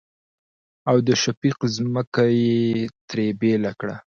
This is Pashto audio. او د شفيق ځمکه يې ترې بيله کړه.